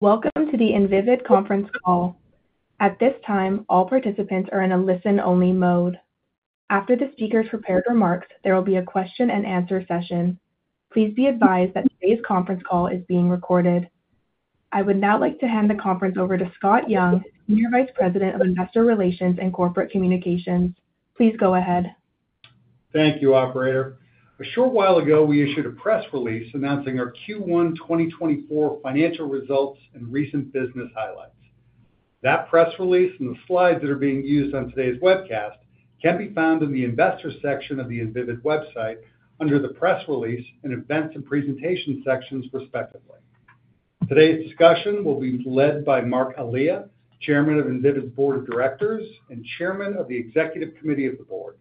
Welcome to the Invivyd conference call. At this time, all participants are in a listen-only mode. After the speaker's prepared remarks, there will be a question-and-answer session. Please be advised that today's conference call is being recorded. I would now like to hand the conference over to Scott Young, Senior Vice President of Investor Relations and Corporate Communications. Please go ahead. Thank you, Operator. A short while ago, we issued a press release announcing our Q1 2024 financial results and recent business highlights. That press release and the slides that are being used on today's webcast can be found in the Investor section of the Invivyd website under the Press Release and Events and Presentation sections, respectively. Today's discussion will be led by Marc Elia, Chairman of Invivyd's Board of Directors and Chairman of the Executive Committee of the Board.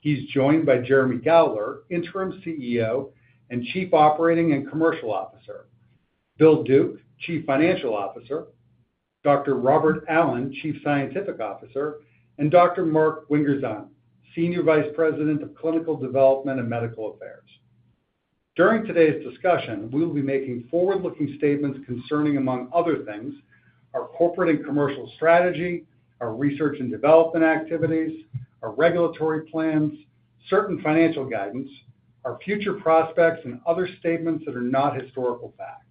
He's joined by Jeremy Gowler, Interim CEO and Chief Operating and Commercial Officer; Bill Duke, Chief Financial Officer; Dr. Robert Allen, Chief Scientific Officer; and Dr. Marc Wingertzahn, Senior Vice President of Clinical Development and Medical Affairs. During today's discussion, we will be making forward-looking statements concerning, among other things, our corporate and commercial strategy, our research and development activities, our regulatory plans, certain financial guidance, our future prospects, and other statements that are not historical fact.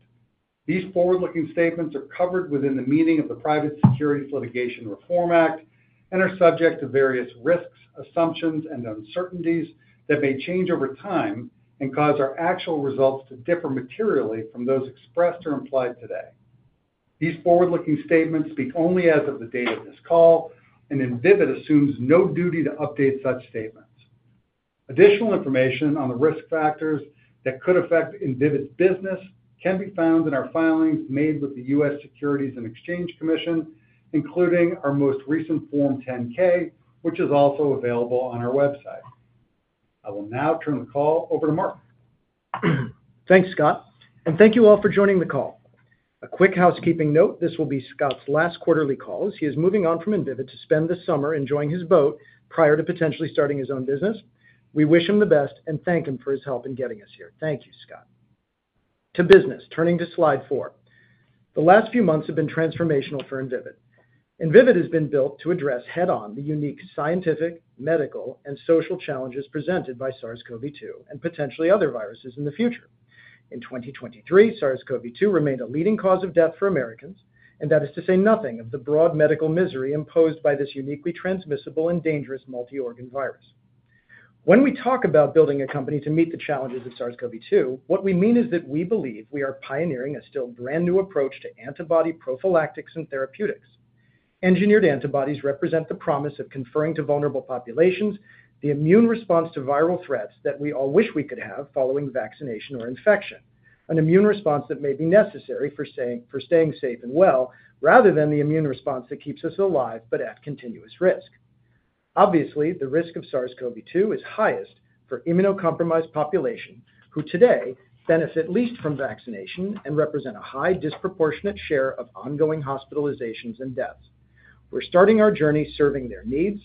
These forward-looking statements are covered within the meaning of the Private Securities Litigation Reform Act and are subject to various risks, assumptions, and uncertainties that may change over time and cause our actual results to differ materially from those expressed or implied today. These forward-looking statements speak only as of the date of this call, and Invivyd assumes no duty to update such statements. Additional information on the risk factors that could affect Invivyd's business can be found in our filings made with the U.S. Securities and Exchange Commission, including our most recent Form 10-K, which is also available on our website.I will now turn the call over to Marc. Thanks, Scott. And thank you all for joining the call. A quick housekeeping note: this will be Scott's last quarterly call as he is moving on from Invivyd to spend the summer enjoying his boat prior to potentially starting his own business. We wish him the best and thank him for his help in getting us here. Thank you, Scott. To business, turning to slide four. The last few months have been transformational for Invivyd. Invivyd has been built to address head-on the unique scientific, medical, and social challenges presented by SARS-CoV-2 and potentially other viruses in the future. In 2023, SARS-CoV-2 remained a leading cause of death for Americans, and that is to say nothing of the broad medical misery imposed by this uniquely transmissible and dangerous multi-organ virus. When we talk about building a company to meet the challenges of SARS-CoV-2, what we mean is that we believe we are pioneering a still brand-new approach to antibody prophylactics and therapeutics. Engineered antibodies represent the promise of conferring to vulnerable populations the immune response to viral threats that we all wish we could have following vaccination or infection, an immune response that may be necessary for staying safe and well rather than the immune response that keeps us alive but at continuous risk. Obviously, the risk of SARS-CoV-2 is highest for immunocompromised populations who today benefit least from vaccination and represent a high disproportionate share of ongoing hospitalizations and deaths. We're starting our journey serving their needs,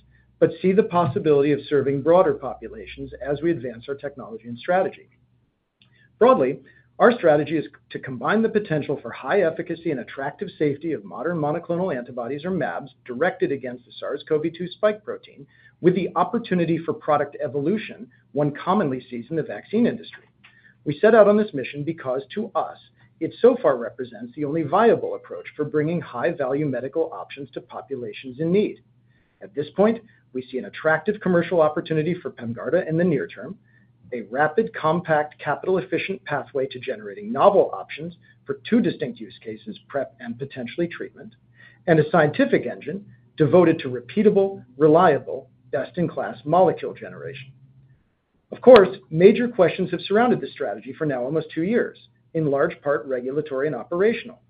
but see the possibility of serving broader populations as we advance our technology and strategy. Broadly, our strategy is to combine the potential for high efficacy and attractive safety of modern monoclonal antibodies, or mAbs, directed against the SARS-CoV-2 spike protein with the opportunity for product evolution one commonly sees in the vaccine industry. We set out on this mission because, to us, it so far represents the only viable approach for bringing high-value medical options to populations in need. At this point, we see an attractive commercial opportunity for PEMGARDA in the near term, a rapid, compact, capital-efficient pathway to generating novel options for two distinct use cases, PrEP and potentially treatment, and a scientific engine devoted to repeatable, reliable, best-in-class molecule generation. Of course, major questions have surrounded this strategy for now almost two years, in large part regulatory and operational.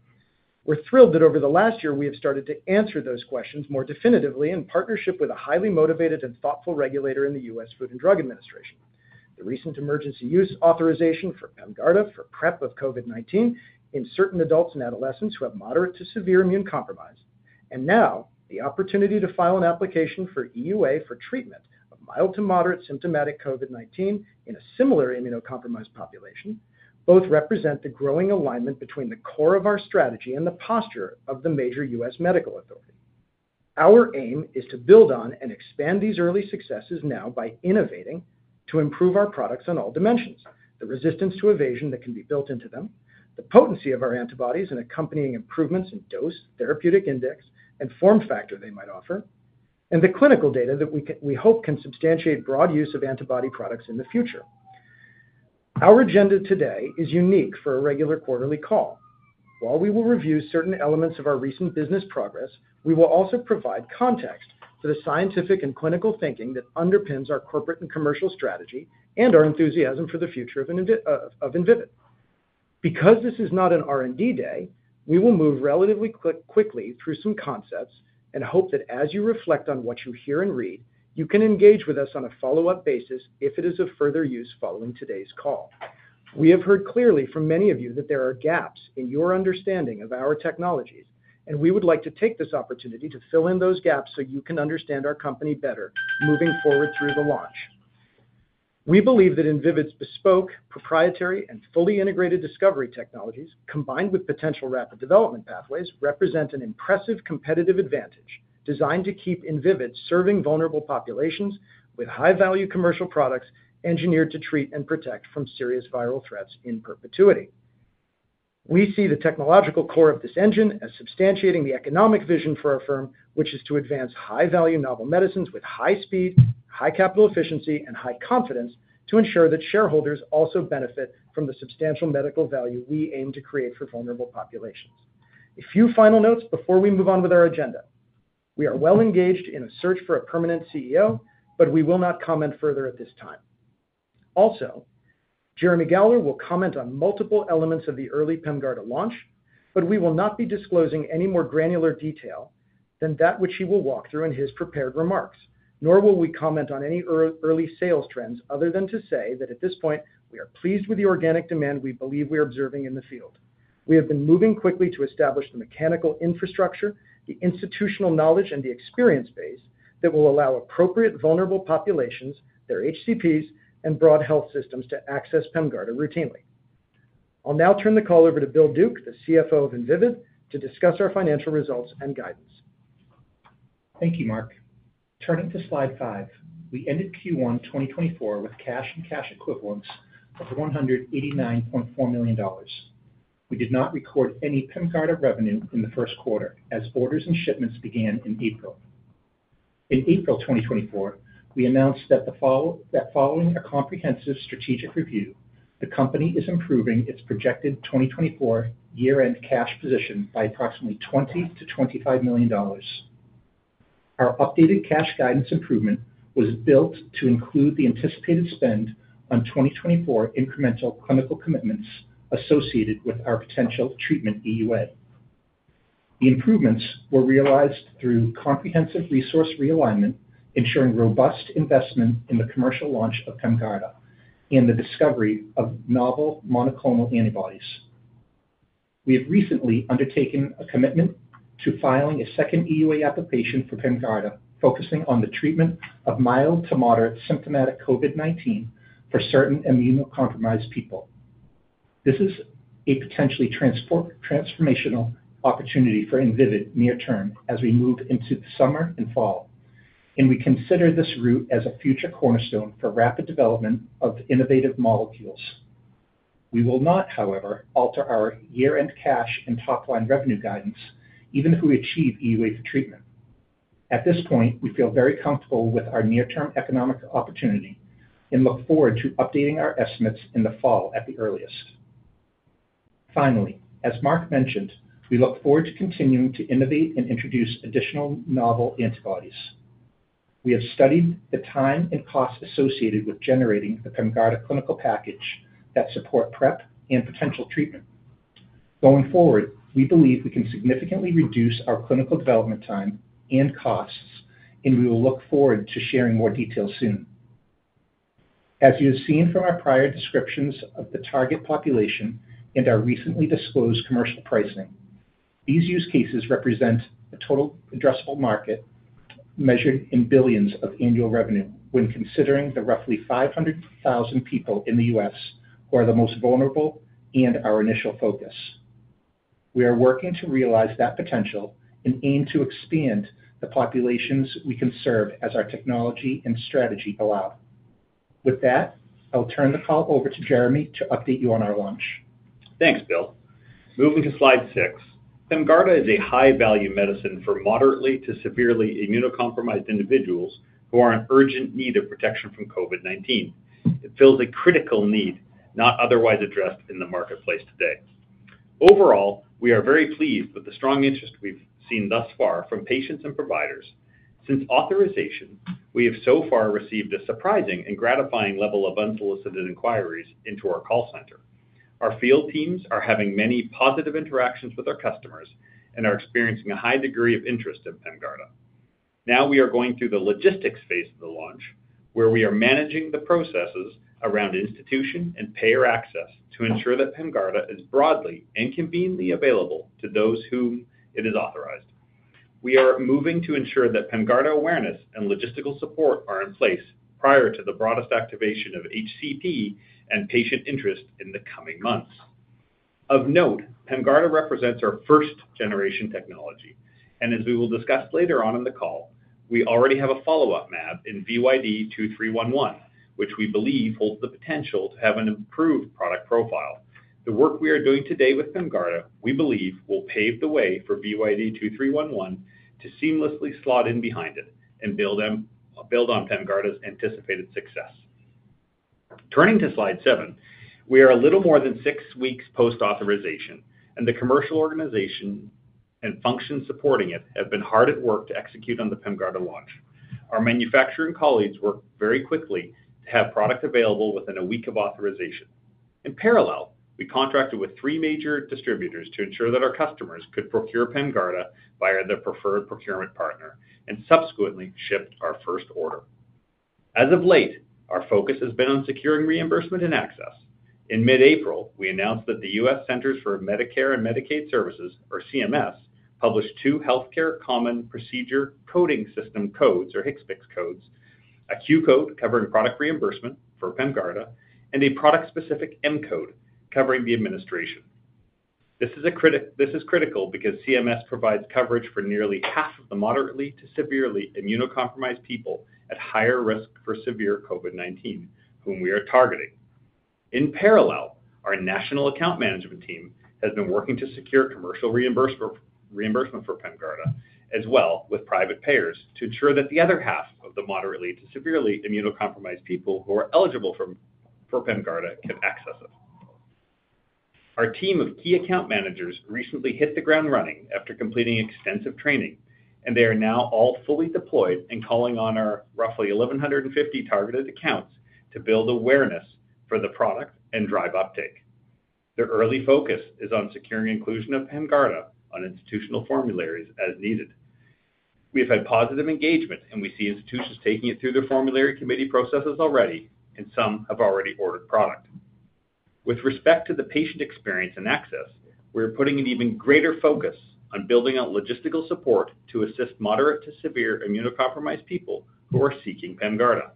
We're thrilled that over the last year we have started to answer those questions more definitively in partnership with a highly motivated and thoughtful regulator in the U.S. Food and Drug Administration: the recent emergency use authorization for PEMGARDA for PrEP of COVID-19 in certain adults and adolescents who have moderate to severe immune compromise, and now the opportunity to file an application for EUA for treatment of mild to moderate symptomatic COVID-19 in a similar immunocompromised population, both represent the growing alignment between the core of our strategy and the posture of the major U.S. medical authority. Our aim is to build on and expand these early successes now by innovating to improve our products on all dimensions: the resistance to evasion that can be built into them, the potency of our antibodies and accompanying improvements in dose, therapeutic index, and form factor they might offer, and the clinical data that we hope can substantiate broad use of antibody products in the future. Our agenda today is unique for a regular quarterly call. While we will review certain elements of our recent business progress, we will also provide context for the scientific and clinical thinking that underpins our corporate and commercial strategy and our enthusiasm for the future of Invivyd. Because this is not an R&D day, we will move relatively quickly through some concepts and hope that as you reflect on what you hear and read, you can engage with us on a follow-up basis if it is of further use following today's call. We have heard clearly from many of you that there are gaps in your understanding of our technologies, and we would like to take this opportunity to fill in those gaps so you can understand our company better moving forward through the launch. We believe that Invivyd's bespoke, proprietary, and fully integrated discovery technologies, combined with potential rapid development pathways, represent an impressive competitive advantage designed to keep Invivyd serving vulnerable populations with high-value commercial products engineered to treat and protect from serious viral threats in perpetuity. We see the technological core of this engine as substantiating the economic vision for our firm, which is to advance high-value novel medicines with high speed, high capital efficiency, and high confidence to ensure that shareholders also benefit from the substantial medical value we aim to create for vulnerable populations. A few final notes before we move on with our agenda. We are well engaged in a search for a permanent CEO, but we will not comment further at this time. Also, Jeremy Gowler will comment on multiple elements of the early PEMGARDA launch, but we will not be disclosing any more granular detail than that which he will walk through in his prepared remarks, nor will we comment on any early sales trends other than to say that at this point we are pleased with the organic demand we believe we are observing in the field. We have been moving quickly to establish the mechanical infrastructure, the institutional knowledge, and the experience base that will allow appropriate vulnerable populations, their HCPs, and broad health systems to access PEMGARDA routinely. I'll now turn the call over to Bill Duke, the CFO of Invivyd, to discuss our financial results and guidance. Thank you, Marc. Turning to Slide 5. We ended Q1 2024 with cash and cash equivalents of $189.4 million. We did not record any PEMGARDA revenue in the first quarter as orders and shipments began in April. In April 2024, we announced that following a comprehensive strategic review, the company is improving its projected 2024 year-end cash position by approximately $20 million-$25 million. Our updated cash guidance improvement was built to include the anticipated spend on 2024 incremental clinical commitments associated with our potential treatment EUA. The improvements were realized through comprehensive resource realignment, ensuring robust investment in the commercial launch of PEMGARDA and the discovery of novel monoclonal antibodies. We have recently undertaken a commitment to filing a second EUA application for PEMGARDA focusing on the treatment of mild to moderate symptomatic COVID-19 for certain immunocompromised people. This is a potentially transformational opportunity for Invivyd near-term as we move into the summer and fall, and we consider this route as a future cornerstone for rapid development of innovative molecules. We will not, however, alter our year-end cash and top-line revenue guidance even if we achieve EUA for treatment. At this point, we feel very comfortable with our near-term economic opportunity and look forward to updating our estimates in the fall at the earliest. Finally, as Marc mentioned, we look forward to continuing to innovate and introduce additional novel antibodies. We have studied the time and cost associated with generating the PEMGARDA clinical package that supports PrEP and potential treatment. Going forward, we believe we can significantly reduce our clinical development time and costs, and we will look forward to sharing more details soon. As you have seen from our prior descriptions of the target population and our recently disclosed commercial pricing, these use cases represent a total addressable market measured in billions of annual revenue when considering the roughly 500,000 people in the U.S. who are the most vulnerable and our initial focus. We are working to realize that potential and aim to expand the populations we can serve as our technology and strategy allow. With that, I'll turn the call over to Jeremy to update you on our launch. Thanks, Bill. Moving to slide six. PEMGARDA is a high-value medicine for moderately to severely immunocompromised individuals who are in urgent need of protection from COVID-19. It fills a critical need not otherwise addressed in the marketplace today. Overall, we are very pleased with the strong interest we've seen thus far from patients and providers. Since authorization, we have so far received a surprising and gratifying level of unsolicited inquiries into our call center. Our field teams are having many positive interactions with our customers and are experiencing a high degree of interest in PEMGARDA. Now we are going through the logistics phase of the launch, where we are managing the processes around institution and payer access to ensure that PEMGARDA is broadly and conveniently available to those whom it is authorized. We are moving to ensure that PEMGARDA awareness and logistical support are in place prior to the broadest activation of HCP and patient interest in the coming months. Of note, PEMGARDA represents our first-generation technology, and as we will discuss later on in the call, we already have a follow-up mAb in VYD2311, which we believe holds the potential to have an improved product profile. The work we are doing today with PEMGARDA, we believe, will pave the way for VYD2311 to seamlessly slot in behind it and build on PEMGARDA's anticipated success. Turning to Slide seven. We are a little more than six weeks post-authorization, and the commercial organization and functions supporting it have been hard at work to execute on the PEMGARDA launch. Our manufacturing colleagues worked very quickly to have product available within a week of authorization. In parallel, we contracted with three major distributors to ensure that our customers could procure PEMGARDA via their preferred procurement partner and subsequently shipped our first order. As of late, our focus has been on securing reimbursement and access. In mid-April, we announced that the U.S. Centers for Medicare & Medicaid Services, or CMS, published two Healthcare Common Procedure Coding System codes, or HCPCS codes: a Q code covering product reimbursement for PEMGARDA and a product-specific M code covering the administration. This is critical because CMS provides coverage for nearly half of the moderately to severely immunocompromised people at higher risk for severe COVID-19 whom we are targeting. In parallel, our national account management team has been working to secure commercial reimbursement for PEMGARDA, as well as with private payers, to ensure that the other half of the moderately to severely immunocompromised people who are eligible for PEMGARDA can access it. Our team of key account managers recently hit the ground running after completing extensive training, and they are now all fully deployed and calling on our roughly 1,150 targeted accounts to build awareness for the product and drive uptake. Their early focus is on securing inclusion of PEMGARDA on institutional formularies as needed. We have had positive engagement, and we see institutions taking it through their formulary committee processes already, and some have already ordered product. With respect to the patient experience and access, we are putting an even greater focus on building out logistical support to assist moderate to severe immunocompromised people who are seeking PEMGARDA.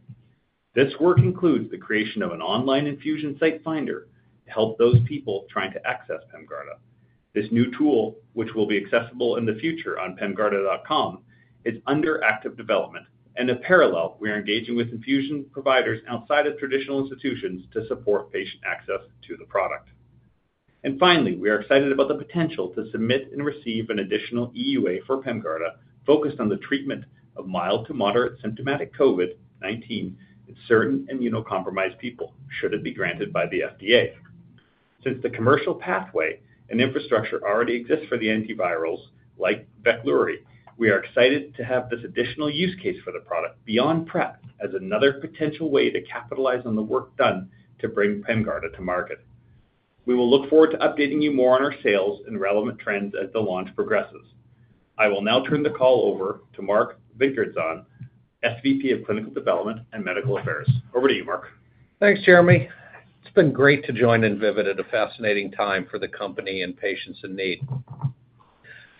This work includes the creation of an online infusion site finder to help those people trying to access PEMGARDA. This new tool, which will be accessible in the future on pemgarda.com, is under active development, and in parallel, we are engaging with infusion providers outside of traditional institutions to support patient access to the product. And finally, we are excited about the potential to submit and receive an additional EUA for PEMGARDA focused on the treatment of mild to moderate symptomatic COVID-19 in certain immunocompromised people should it be granted by the FDA. Since the commercial pathway and infrastructure already exist for the antivirals, like Veklury, we are excited to have this additional use case for the product beyond PrEP as another potential way to capitalize on the work done to bring PEMGARDA to market. We will look forward to updating you more on our sales and relevant trends as the launch progresses. I will now turn the call over to Marc Wingertzahn, SVP of Clinical Development and Medical Affairs. Over to you, Marc. Thanks, Jeremy. It's been great to join Invivyd at a fascinating time for the company and patients in need.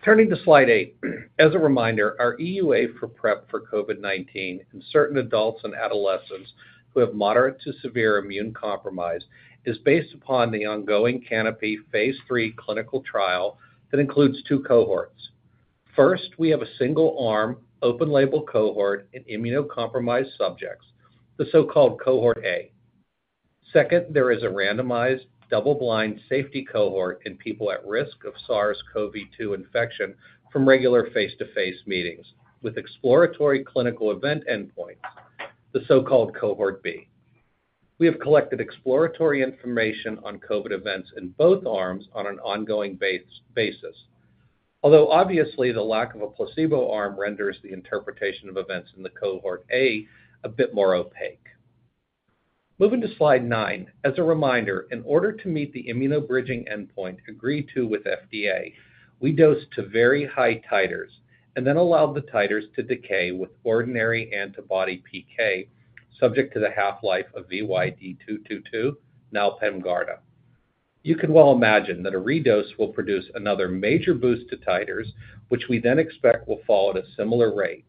Turning to slide eight. As a reminder, our EUA for PrEP for COVID-19 in certain adults and adolescents who have moderate to severe immune compromise is based upon the ongoing Canopy phase III clinical trial that includes two cohorts. First, we have a single-arm, open-label cohort in immunocompromised subjects, the so-called Cohort A. Second, there is a randomized, double-blind safety cohort in people at risk of SARS-CoV-2 infection from regular face-to-face meetings with exploratory clinical event endpoints, the so-called Cohort B. We have collected exploratory information on COVID events in both arms on an ongoing basis, although obviously the lack of a placebo arm renders the interpretation of events in the Cohort A a bit more opaque. Moving to slide nine. As a reminder, in order to meet the immunobridging endpoint agreed to with FDA, we dosed to very high titers and then allowed the titers to decay with ordinary antibody PK subject to the half-life of VYD222, now PEMGARDA. You can well imagine that a redose will produce another major boost to titers, which we then expect will follow at a similar rate.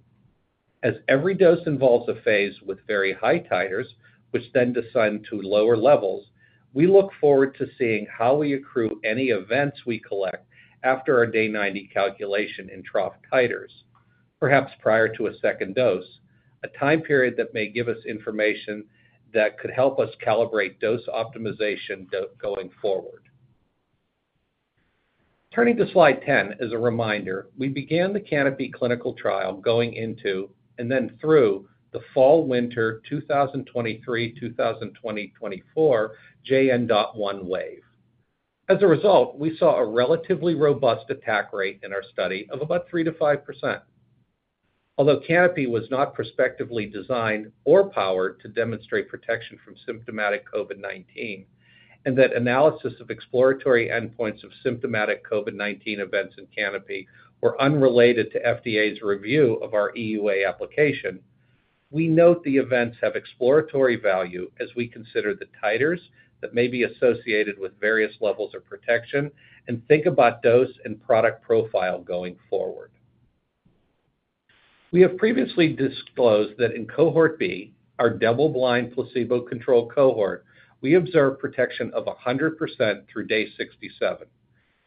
As every dose involves a phase with very high titers, which then descend to lower levels, we look forward to seeing how we accrue any events we collect after our day 90 calculation in trough titers, perhaps prior to a second dose, a time period that may give us information that could help us calibrate dose optimization going forward. Turning to slide 10. As a reminder, we began the Canopy clinical trial going into and then through the fall/winter 2023/2024 JN.1 wave. As a result, we saw a relatively robust attack rate in our study of about 3%-5%. Although Canopy was not prospectively designed or powered to demonstrate protection from symptomatic COVID-19 and that analysis of exploratory endpoints of symptomatic COVID-19 events in Canopy were unrelated to FDA's review of our EUA application, we note the events have exploratory value as we consider the titers that may be associated with various levels of protection and think about dose and product profile going forward. We have previously disclosed that in Cohort B, our double-blind placebo-controlled cohort, we observed protection of 100% through day 67,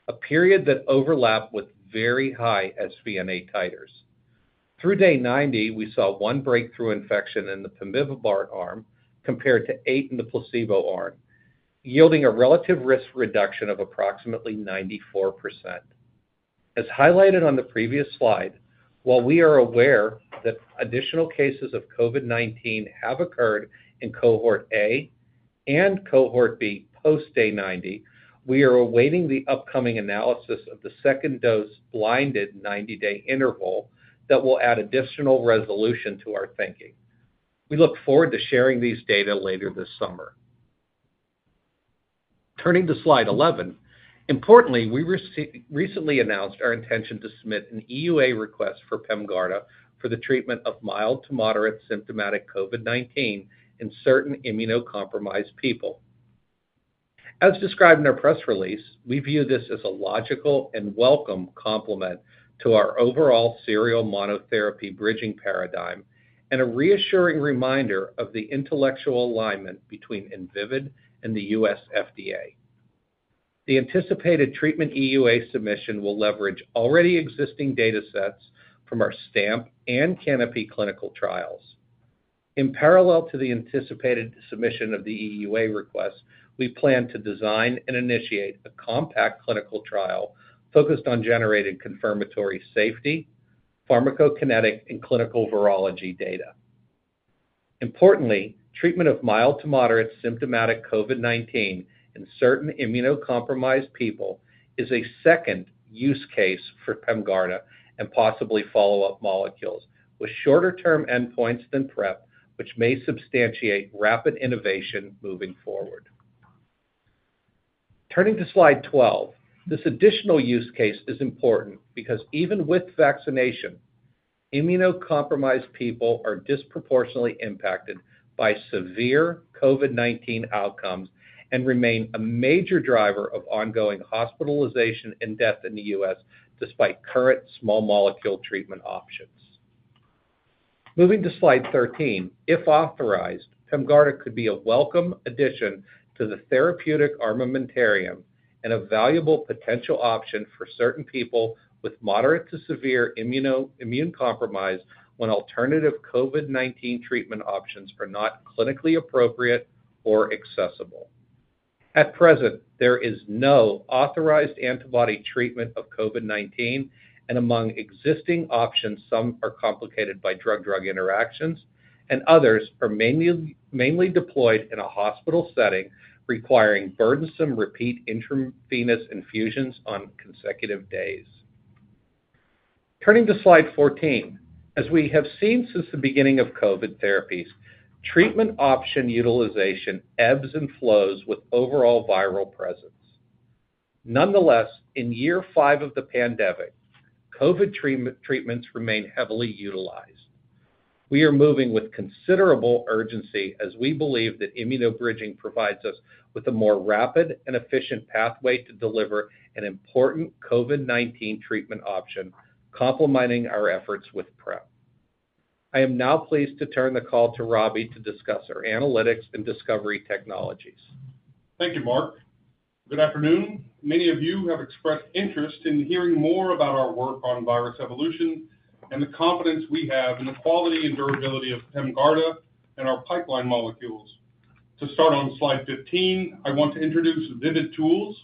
a period that overlapped with very high SVNA titers. Through day 90, we saw one breakthrough infection in the pemivibart arm compared to eight in the placebo arm, yielding a relative risk reduction of approximately 94%. As highlighted on the previous slide, while we are aware that additional cases of COVID-19 have occurred in Cohort A and Cohort B post-day 90, we are awaiting the upcoming analysis of the second dose blinded 90-day interval that will add additional resolution to our thinking. We look forward to sharing these data later this summer. Turning to slide 11. Importantly, we recently announced our intention to submit an EUA request for PEMGARDA for the treatment of mild to moderate symptomatic COVID-19 in certain immunocompromised people. As described in our press release, we view this as a logical and welcome complement to our overall serial monotherapy bridging paradigm and a reassuring reminder of the intellectual alignment between Invivyd and the U.S. FDA. The anticipated treatment EUA submission will leverage already existing data sets from our STAMP and Canopy clinical trials. In parallel to the anticipated submission of the EUA request, we plan to design and initiate a compact clinical trial focused on generated confirmatory safety, pharmacokinetic, and clinical virology data. Importantly, treatment of mild to moderate symptomatic COVID-19 in certain immunocompromised people is a second use case for PEMGARDA and possibly follow-up molecules with shorter-term endpoints than PrEP, which may substantiate rapid innovation moving forward. Turning to slide 12. This additional use case is important because even with vaccination, immunocompromised people are disproportionately impacted by severe COVID-19 outcomes and remain a major driver of ongoing hospitalization and death in the U.S. despite current small molecule treatment options. Moving to slide 13. If authorized, PEMGARDA could be a welcome addition to the therapeutic armamentarium and a valuable potential option for certain people with moderate to severe immune compromise when alternative COVID-19 treatment options are not clinically appropriate or accessible. At present, there is no authorized antibody treatment of COVID-19, and among existing options, some are complicated by drug-drug interactions, and others are mainly deployed in a hospital setting requiring burdensome repeat intravenous infusions on consecutive days. Turning to slide 14. As we have seen since the beginning of COVID therapies, treatment option utilization ebbs and flows with overall viral presence. Nonetheless, in year five of the pandemic, COVID treatments remain heavily utilized. We are moving with considerable urgency as we believe that immunobridging provides us with a more rapid and efficient pathway to deliver an important COVID-19 treatment option complementing our efforts with PrEP. I am now pleased to turn the call to Robbie to discuss our analytics and discovery technologies. Thank you, Marc. Good afternoon. Many of you have expressed interest in hearing more about our work on virus evolution and the confidence we have in the quality and durability of PEMGARDA and our pipeline molecules. To start on slide 15, I want to introduce VividTools,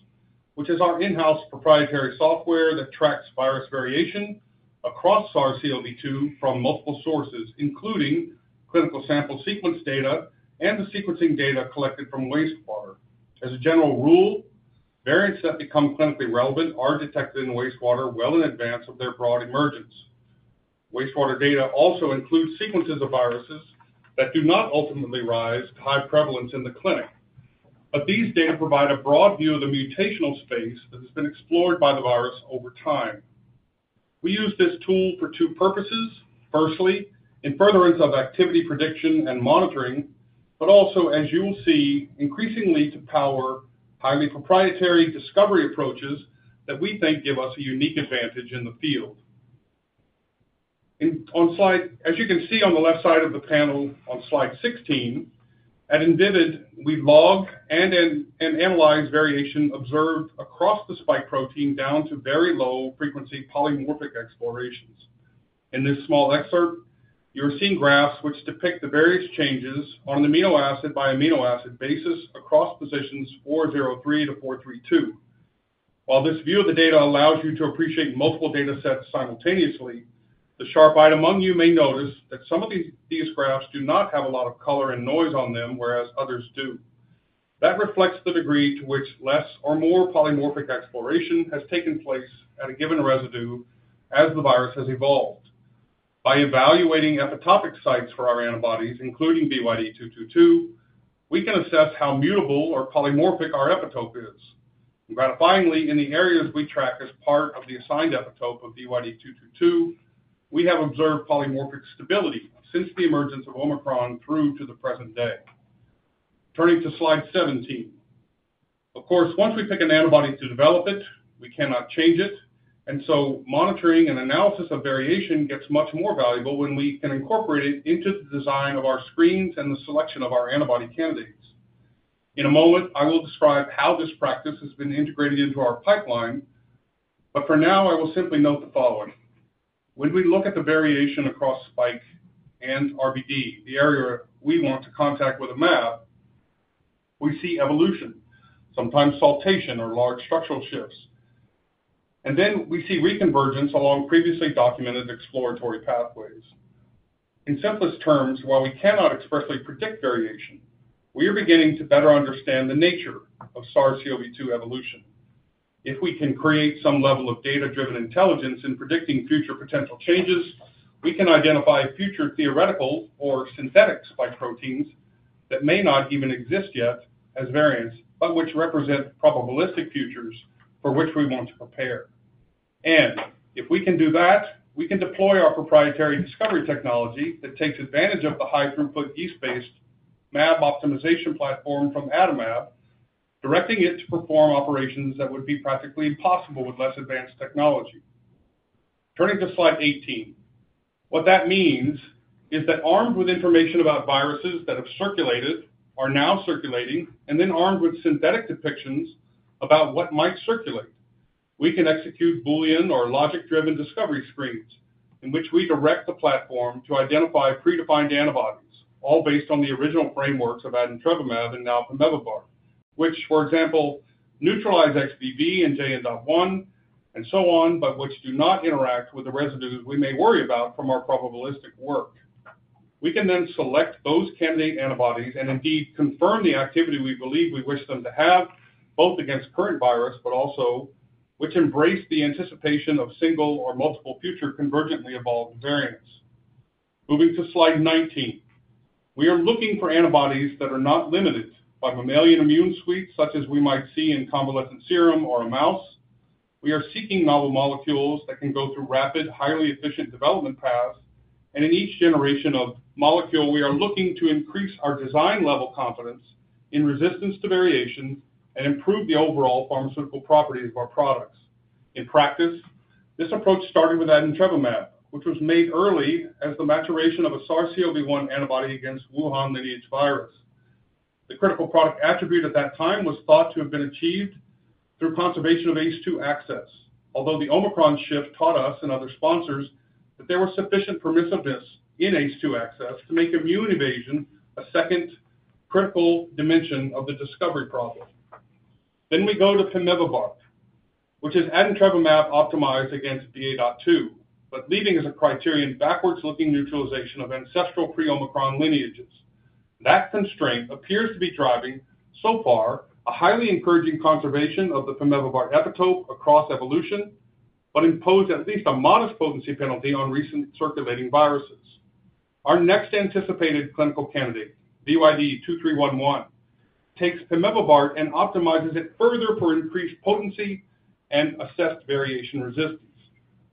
which is our in-house proprietary software that tracks virus variation across SARS-CoV-2 from multiple sources, including clinical sample sequence data and the sequencing data collected from wastewater. As a general rule, variants that become clinically relevant are detected in wastewater well in advance of their broad emergence. Wastewater data also includes sequences of viruses that do not ultimately rise to high prevalence in the clinic, but these data provide a broad view of the mutational space that has been explored by the virus over time. We use this tool for two purposes: firstly, in furtherance of activity prediction and monitoring, but also, as you will see, increasingly to power highly proprietary discovery approaches that we think give us a unique advantage in the field. As you can see on the left side of the panel on slide 16, at Invivyd, we log and analyze variation observed across the spike protein down to very low-frequency polymorphic explorations. In this small excerpt, you are seeing graphs which depict the various changes on an amino acid by amino acid basis across positions 403 to 432. While this view of the data allows you to appreciate multiple data sets simultaneously, the sharp-eyed among you may notice that some of these graphs do not have a lot of color and noise on them, whereas others do. That reflects the degree to which less or more polymorphic exploration has taken place at a given residue as the virus has evolved. By evaluating epitopic sites for our antibodies, including VYD222, we can assess how mutable or polymorphic our epitope is. Gratifyingly, in the areas we track as part of the assigned epitope of VYD222, we have observed polymorphic stability since the emergence of Omicron through to the present day. Turning to slide 17. Of course, once we pick an antibody to develop it, we cannot change it, and so monitoring and analysis of variation gets much more valuable when we can incorporate it into the design of our screens and the selection of our antibody candidates. In a moment, I will describe how this practice has been integrated into our pipeline, but for now, I will simply note the following: when we look at the variation across spike and RBD, the area we want to contact with a mAb, we see evolution, sometimes saltation or large structural shifts, and then we see reconvergence along previously documented exploratory pathways. In simplest terms, while we cannot expressly predict variation, we are beginning to better understand the nature of SARS-CoV-2 evolution. If we can create some level of data-driven intelligence in predicting future potential changes, we can identify future theoretical or synthetic spike proteins that may not even exist yet as variants but which represent probabilistic futures for which we want to prepare. If we can do that, we can deploy our proprietary discovery technology that takes advantage of the high-throughput yeast-based mAb optimization platform from Adimab, directing it to perform operations that would be practically impossible with less advanced technology. Turning to slide 18. What that means is that armed with information about viruses that have circulated, are now circulating, and then armed with synthetic depictions about what might circulate, we can execute Boolean or logic-driven discovery screens in which we direct the platform to identify predefined antibodies, all based on the original frameworks of adintrevimab and now pemivibart, which, for example, neutralize XBB in JN.1 and so on, but which do not interact with the residues we may worry about from our probabilistic work. We can then select those candidate antibodies and indeed confirm the activity we believe we wish them to have, both against current virus but also which embrace the anticipation of single or multiple future convergently evolved variants. Moving to slide 19. We are looking for antibodies that are not limited by mammalian immune suites such as we might see in convalescent serum or a mouse. We are seeking novel molecules that can go through rapid, highly efficient development paths, and in each generation of molecule, we are looking to increase our design-level confidence in resistance to variations and improve the overall pharmaceutical properties of our products. In practice, this approach started with adintrevimab, which was made early as the maturation of a SARS-CoV-1 antibody against Wuhan lineage virus. The critical product attribute at that time was thought to have been achieved through conservation of ACE2 access, although the Omicron shift taught us and other sponsors that there was sufficient permissiveness in ACE2 access to make immune evasion a second critical dimension of the discovery problem. Then we go to pemivibart, which is adintrevimab optimized against BA.2, but leaving as a criterion backwards-looking neutralization of ancestral pre-Omicron lineages. That constraint appears to be driving, so far, a highly encouraging conservation of the pemivibart epitope across evolution but impose at least a modest potency penalty on recent circulating viruses. Our next anticipated clinical candidate, VYD2311, takes pemivibart and optimizes it further for increased potency and assessed variation resistance.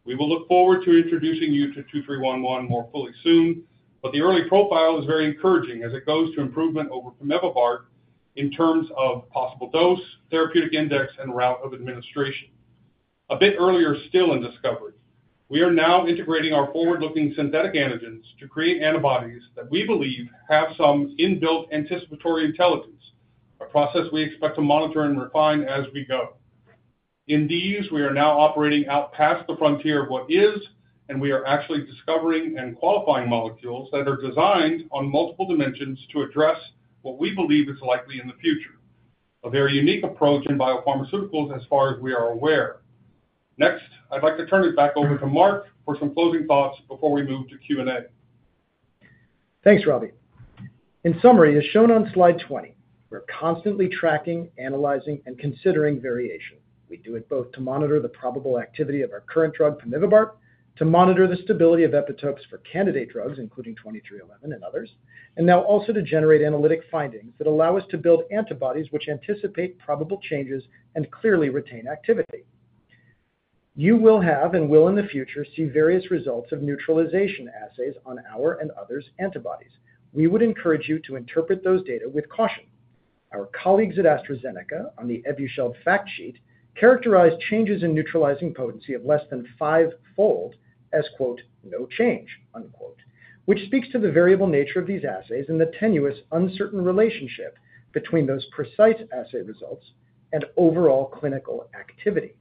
We will look forward to introducing you to 2311 more fully soon, but the early profile is very encouraging as it goes to improvement over pemivibart in terms of possible dose, therapeutic index, and route of administration. A bit earlier still in discovery, we are now integrating our forward-looking synthetic antigens to create antibodies that we believe have some inbuilt anticipatory intelligence, a process we expect to monitor and refine as we go. In these, we are now operating out past the frontier of what is, and we are actually discovering and qualifying molecules that are designed on multiple dimensions to address what we believe is likely in the future, a very unique approach in biopharmaceuticals as far as we are aware. Next, I'd like to turn it back over to Marc for some closing thoughts before we move to Q&A. Thanks, Robbie. In summary, as shown on slide 20, we're constantly tracking, analyzing, and considering variation. We do it both to monitor the probable activity of our current drug, pemivibart, to monitor the stability of epitopes for candidate drugs, including 2311 and others, and now also to generate analytic findings that allow us to build antibodies which anticipate probable changes and clearly retain activity. You will have and will in the future see various results of neutralization assays on our and others' antibodies. We would encourage you to interpret those data with caution. Our colleagues at AstraZeneca on the Evusheld fact sheet characterized changes in neutralizing potency of less than five-fold as "no change," which speaks to the variable nature of these assays and the tenuous, uncertain relationship between those precise assay results and overall clinical activity.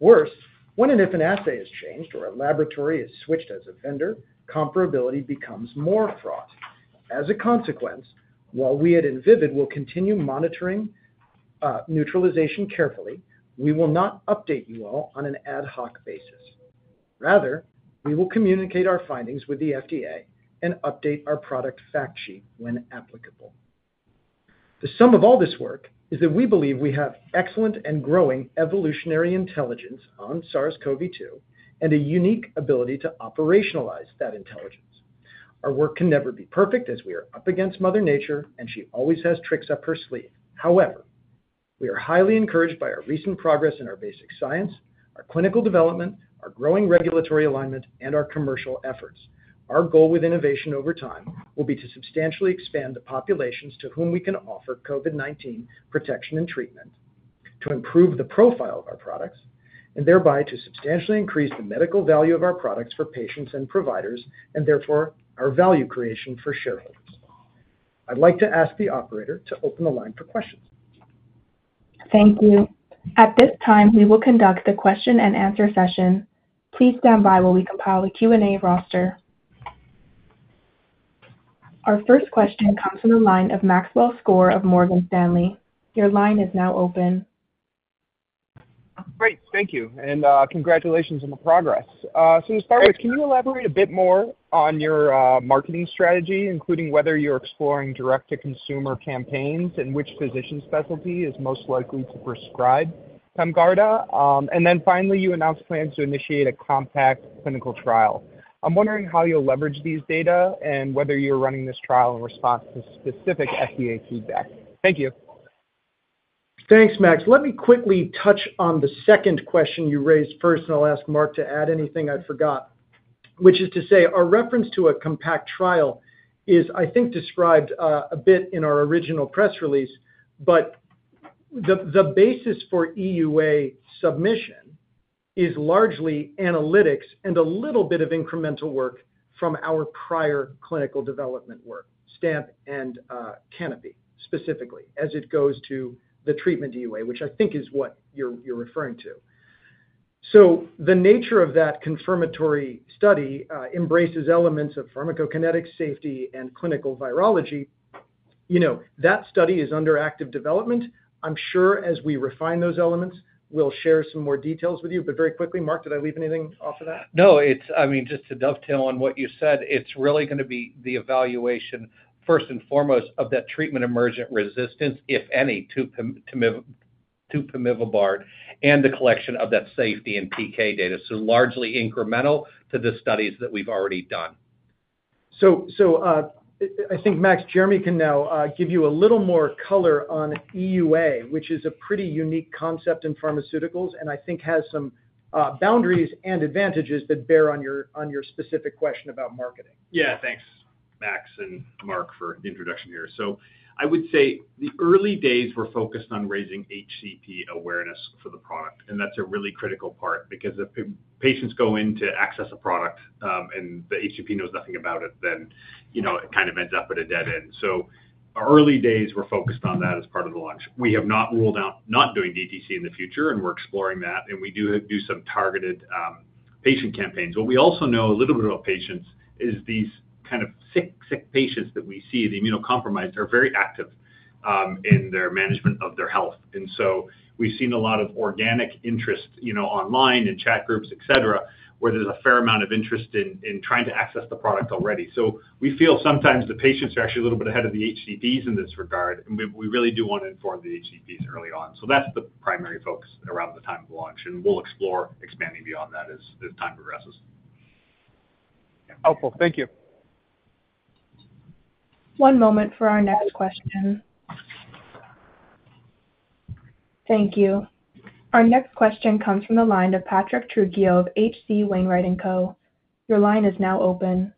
Worse, when and if an assay is changed or a laboratory is switched as a vendor, comparability becomes more fraught. As a consequence, while we at Invivyd will continue monitoring neutralization carefully, we will not update you all on an ad hoc basis. Rather, we will communicate our findings with the FDA and update our product fact sheet when applicable. The sum of all this work is that we believe we have excellent and growing evolutionary intelligence on SARS-CoV-2 and a unique ability to operationalize that intelligence. Our work can never be perfect as we are up against Mother Nature, and she always has tricks up her sleeve. However, we are highly encouraged by our recent progress in our basic science, our clinical development, our growing regulatory alignment, and our commercial efforts. Our goal with innovation over time will be to substantially expand the populations to whom we can offer COVID-19 protection and treatment, to improve the profile of our products, and thereby to substantially increase the medical value of our products for patients and providers and therefore our value creation for shareholders. I'd like to ask the operator to open the line for questions. Thank you. At this time, we will conduct the question-and-answer session. Please stand by while we compile the Q&A roster. Our first question comes from the line of Maxwell Skor of Morgan Stanley. Your line is now open. Great. Thank you. And congratulations on the progress. To start with, can you elaborate a bit more on your marketing strategy, including whether you're exploring direct-to-consumer campaigns and which physician specialty is most likely to prescribe PEMGARDA? Then finally, you announced plans to initiate a compact clinical trial. I'm wondering how you'll leverage these data and whether you're running this trial in response to specific FDA feedback. Thank you. Thanks, Max. Let me quickly touch on the second question you raised first, and I'll ask Marc to add anything I forgot, which is to say our reference to a compact trial is, I think, described a bit in our original press release, but the basis for EUA submission is largely analytics and a little bit of incremental work from our prior clinical development work, STAMP and Canopy specifically, as it goes to the treatment EUA, which I think is what you're referring to. So the nature of that confirmatory study embraces elements of pharmacokinetics, safety, and clinical virology. That study is under active development. I'm sure as we refine those elements, we'll share some more details with you. But very quickly, Marc, did I leave anything off of that? No, I mean, just to dovetail on what you said, it's really going to be the evaluation, first and foremost, of that treatment emergent resistance, if any, to pemivibart and the collection of that safety and PK data. Largely incremental to the studies that we've already done. So I think Max, Jeremy can now give you a little more color on EUA, which is a pretty unique concept in pharmaceuticals and I think has some boundaries and advantages that bear on your specific question about marketing. Yeah, thanks, Max and Marc, for the introduction here. So I would say the early days were focused on raising HCP awareness for the product, and that's a really critical part because if patients go in to access a product and the HCP knows nothing about it, then it kind of ends up at a dead end. So early days, we're focused on that as part of the launch. We have not ruled out not doing DTC in the future, and we're exploring that, and we do some targeted patient campaigns. What we also know a little bit about patients is these kind of sick patients that we see, the immunocompromised, are very active in their management of their health. And so we've seen a lot of organic interest online in chat groups, etc., where there's a fair amount of interest in trying to access the product already. So we feel sometimes the patients are actually a little bit ahead of the HCPs in this regard, and we really do want to inform the HCPs early on. So that's the primary focus around the time of launch, and we'll explore expanding beyond that as time progresses. Helpful. Thank you. One moment for our next question. Thank you. Our next question comes from the line of Patrick Trucchio of HC Wainwright & Co. Your line is now open.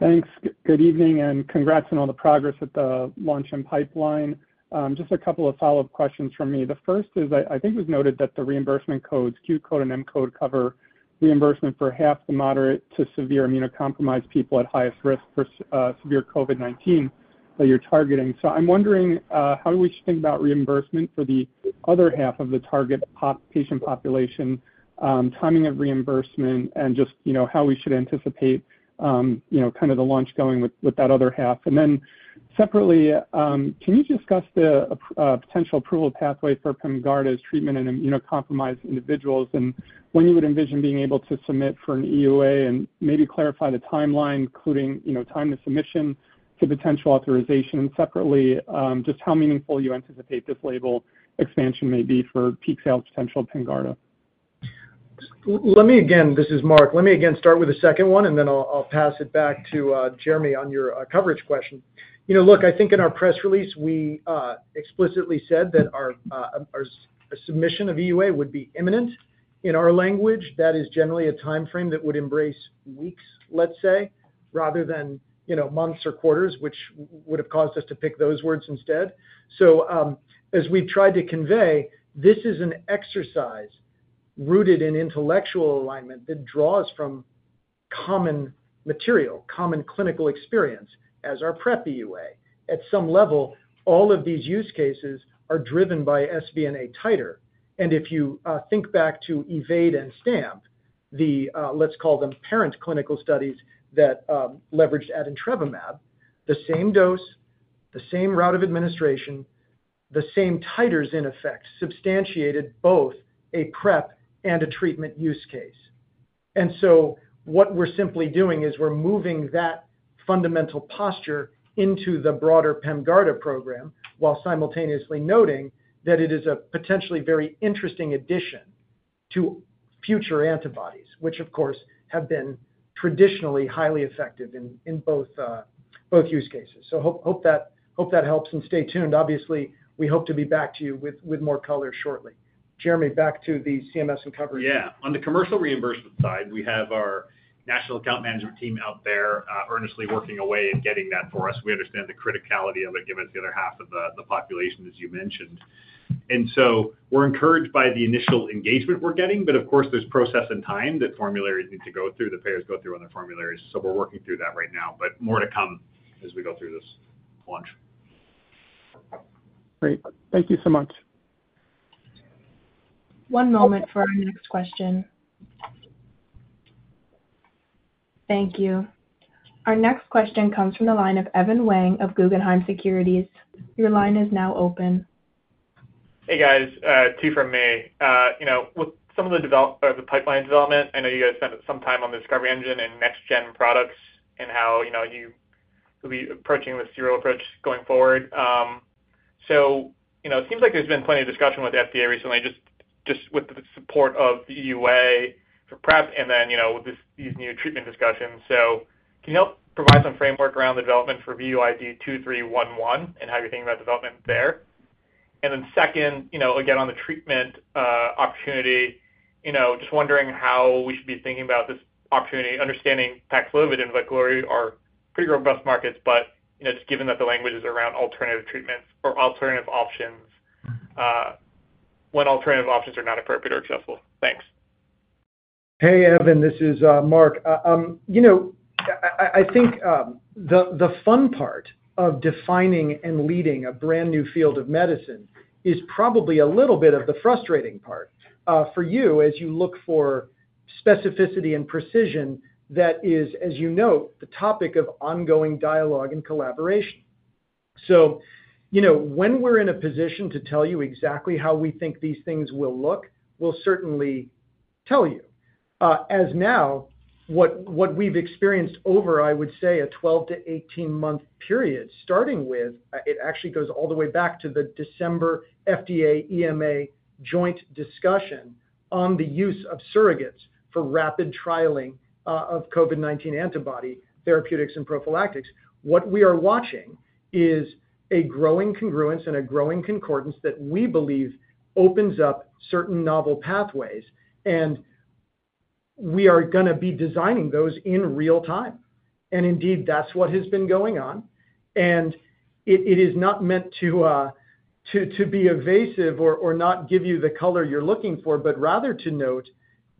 Thanks. Good evening and congrats on all the progress at the launch and pipeline. Just a couple of follow-up questions from me. The first is, I think it was noted that the reimbursement codes, Q code and M code, cover reimbursement for half the moderate to severe immunocompromised people at highest risk for severe COVID-19 that you're targeting. So I'm wondering how we should think about reimbursement for the other half of the target patient population, timing of reimbursement, and just how we should anticipate kind of the launch going with that other half. Then separately, can you discuss the potential approval pathway for PEMGARDA's treatment in immunocompromised individuals and when you would envision being able to submit for an EUA and maybe clarify the timeline, including time to submission to potential authorization, and separately, just how meaningful you anticipate this label expansion may be for peak sales potential of PEMGARDA? Let me—again, this is Marc. Let me again start with the second one, and then I'll pass it back to Jeremy on your coverage question. Look, I think in our press release, we explicitly said that our submission of EUA would be imminent. In our language, that is generally a timeframe that would embrace weeks, let's say, rather than months or quarters, which would have caused us to pick those words instead. So as we've tried to convey, this is an exercise rooted in intellectual alignment that draws from common material, common clinical experience as our prep EUA. At some level, all of these use cases are driven by SVNA titer. And if you think back to EVADE and STAMP, the—let's call them—parent clinical studies that leveraged adintrevimab, the same dose, the same route of administration, the same titers in effect substantiated both a prep and a treatment use case. And so what we're simply doing is we're moving that fundamental posture into the broader PEMGARDA program while simultaneously noting that it is a potentially very interesting addition to future antibodies, which, of course, have been traditionally highly effective in both use cases. So hope that helps, and stay tuned. Obviously, we hope to be back to you with more color shortly. Jeremy, back to the CMS and coverage. Yeah. On the commercial reimbursement side, we have our national account management team out there earnestly working away at getting that for us. We understand the criticality of it given it's the other half of the population, as you mentioned. And so we're encouraged by the initial engagement we're getting, but of course, there's process and time that formularies need to go through, that payers go through on their formularies. So we're working through that right now, but more to come as we go through this launch. Great. Thank you so much. One moment for our next question. Thank you. Our next question comes from the line of Evan Wang of Guggenheim Securities. Your line is now open. Hey, guys. Two from me. With some of the pipeline development, I know you guys spent some time on the Discovery Engine and next-gen products and how you'll be approaching the serial approach going forward. So it seems like there's been plenty of discussion with the FDA recently, just with the support of the EUA for PrEP and then with these new treatment discussions. So can you help provide some framework around the development for VYD2311 and how you're thinking about development there? And then second, again, on the treatment opportunity, just wondering how we should be thinking about this opportunity, understanding Paxlovid and Veklury are pretty robust markets, but just given that the language is around alternative treatments or alternative options, when alternative options are not appropriate or accessible. Thanks. Hey, Evan. This is Marc. I think the fun part of defining and leading a brand new field of medicine is probably a little bit of the frustrating part for you as you look for specificity and precision that is, as you note, the topic of ongoing dialogue and collaboration. So when we're in a position to tell you exactly how we think these things will look, we'll certainly tell you. As now, what we've experienced over, I would say, a 12-18-month period starting with it actually goes all the way back to the December FDA-EMA joint discussion on the use of surrogates for rapid trialing of COVID-19 antibody therapeutics and prophylactics. What we are watching is a growing congruence and a growing concordance that we believe opens up certain novel pathways, and we are going to be designing those in real time. Indeed, that's what has been going on. It is not meant to be evasive or not give you the color you're looking for, but rather to note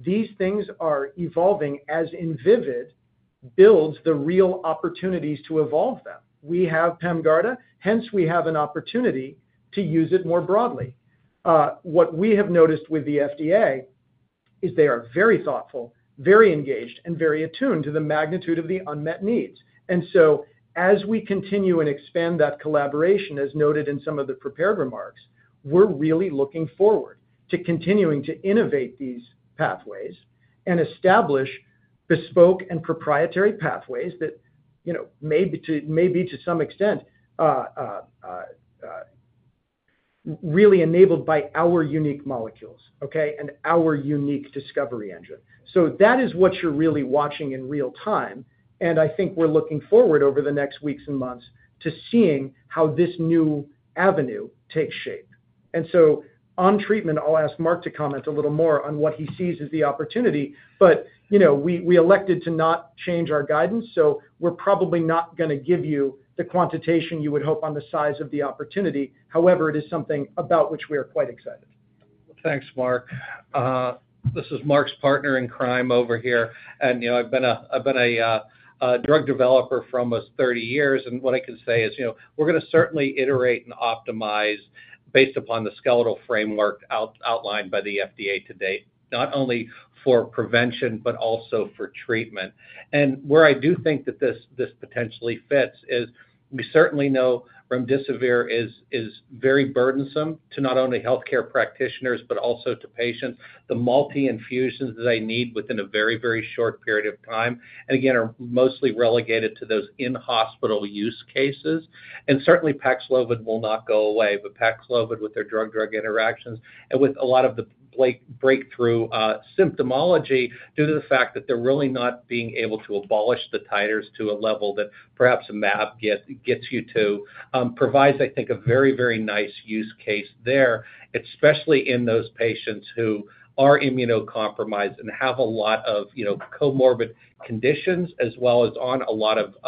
these things are evolving as Invivyd builds the real opportunities to evolve them. We have PEMGARDA, hence we have an opportunity to use it more broadly. What we have noticed with the FDA is they are very thoughtful, very engaged, and very attuned to the magnitude of the unmet needs. So as we continue and expand that collaboration, as noted in some of the prepared remarks, we're really looking forward to continuing to innovate these pathways and establish bespoke and proprietary pathways that may be to some extent really enabled by our unique molecules, okay, and our unique Discovery Engine. So that is what you're really watching in real time, and I think we're looking forward over the next weeks and months to seeing how this new avenue takes shape. And so on treatment, I'll ask Marc to comment a little more on what he sees as the opportunity, but we elected to not change our guidance, so we're probably not going to give you the quantitation you would hope on the size of the opportunity. However, it is something about which we are quite excited. Well, thanks, Marc. This is Marc's partner in crime over here, and I've been a drug developer for almost 30 years. And what I can say is we're going to certainly iterate and optimize based upon the skeletal framework outlined by the FDA to date, not only for prevention but also for treatment. And where I do think that this potentially fits is we certainly know remdesivir is very burdensome to not only healthcare practitioners but also to patients. The multi-infusions that they need within a very, very short period of time, and again, are mostly relegated to those in-hospital use cases. Certainly, Paxlovid will not go away, but Paxlovid with their drug-drug interactions and with a lot of the breakthrough symptomology due to the fact that they're really not being able to abolish the titers to a level that perhaps a mAb gets you to, provides, I think, a very, very nice use case there, especially in those patients who are immunocompromised and have a lot of comorbid conditions as well as on a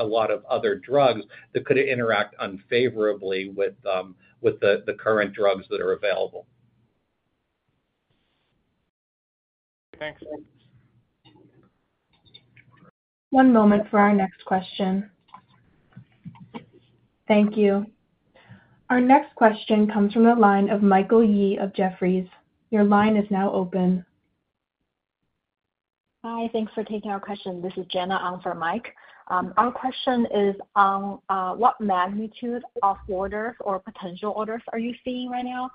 lot of other drugs that could interact unfavorably with the current drugs that are available. Thanks. One moment for our next question. Thank you. Our next question comes from the line of Michael Yee of Jefferies. Your line is now open. Hi. Thanks for taking our question. This is Jenna on for Mike. Our question is on what magnitude of orders or potential orders are you seeing right now?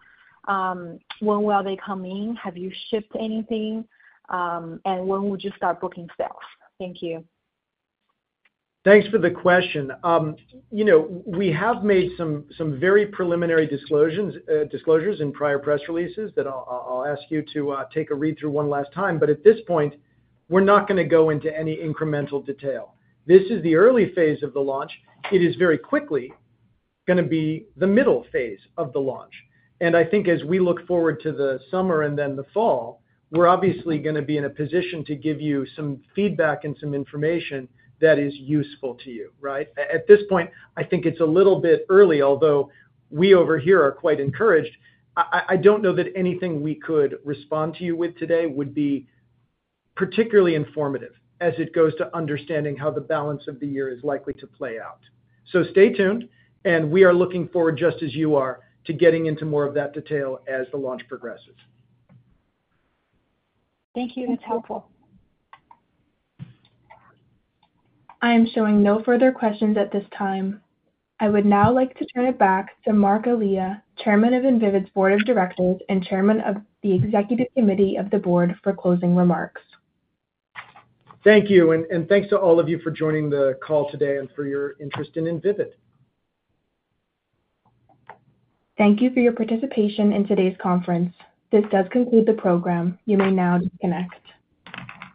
When will they come in? Have you shipped anything? And when would you start booking sales? Thank you. Thanks for the question. We have made some very preliminary disclosures in prior press releases that I'll ask you to take a read through one last time, but at this point, we're not going to go into any incremental detail. This is the early phase of the launch. It is very quickly going to be the middle phase of the launch. I think as we look forward to the summer and then the fall, we're obviously going to be in a position to give you some feedback and some information that is useful to you, right? At this point, I think it's a little bit early, although we over here are quite encouraged.I don't know that anything we could respond to you with today would be particularly informative as it goes to understanding how the balance of the year is likely to play out. Stay tuned, and we are looking forward, just as you are, to getting into more of that detail as the launch progresses. Thank you. That's helpful. I am showing no further questions at this time. I would now like to turn it back to Marc Elia, Chairman of Invivyd's Board of Directors and Chairman of the Executive Committee of the Board for closing remarks. Thank you. Thanks to all of you for joining the call today and for your interest in Invivyd. Thank you for your participation in today's conference. This does conclude the program. You may now disconnect.